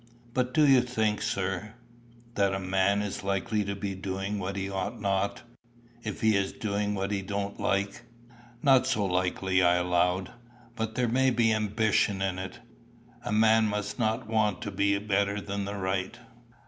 "But do you think, sir, that a man is likely to be doing what he ought not, if he is doing what he don't like?" "Not so likely, I allow. But there may be ambition in it. A man must not want to be better than the right.